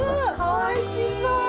おいしそう！